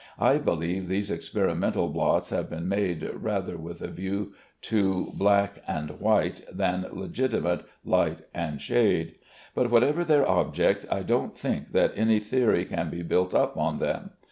I believe these experimental blots have been made rather with a view to black and white than legitimate light and shade; but whatever their object, I don't think that any theory can be built up on them.